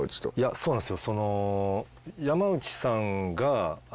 そうなんですよ。